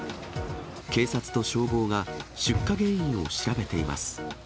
警察と消防が、出火原因を調べています。